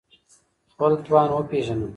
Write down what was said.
خپل توان وپېژنه